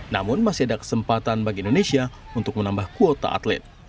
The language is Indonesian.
namun masih ada kesempatan bagi indonesia untuk menambah kuota atlet